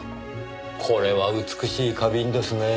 これは美しい花瓶ですねぇ。